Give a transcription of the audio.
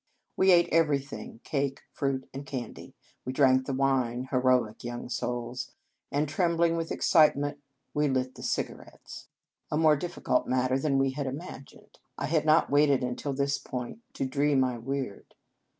We ate everything, cake, fruit, and candy; we drank the wine (heroic young souls!), and, trembling with excitement, we lit the cigarettes, a 137 In Our Convent Days more difficult matter than we had im agined. I had not waited until this point to dree my weird.